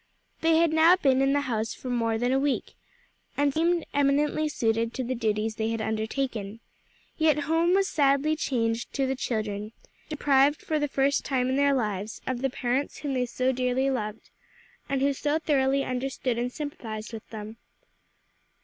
They had now been in the house for more than a week, and seemed eminently suited to the duties they had undertaken; yet home was sadly changed to the children, deprived for the first time in their lives of the parents whom they so dearly loved, and who so thoroughly understood and sympathized with them.